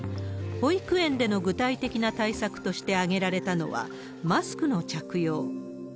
保育園での具体的な対策として挙げられたのは、マスクの着用。